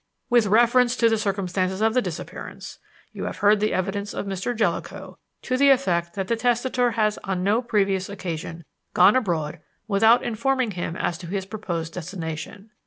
"With reference to the circumstances of the disappearance, you have heard the evidence of Mr. Jellicoe to the effect that the testator has on no previous occasion gone abroad without informing him as to his proposed destination.